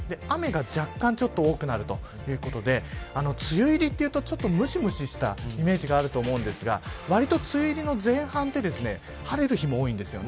雨が若干多くなるということで梅雨入りというと、ちょっとむしむしとしたイメージがあると思うんですがわりと梅雨入りの前半は晴れる日も多いんです。